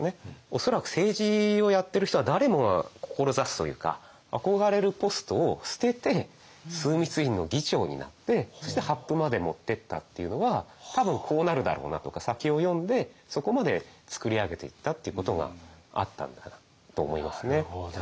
恐らく政治をやってる人は誰もが志すというか憧れるポストを捨てて枢密院の議長になってそして発布まで持ってったというのは「多分こうなるだろうな」とか先を読んでそこまでつくり上げていったということがあったんだなと思いますね。